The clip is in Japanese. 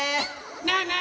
ねえねえ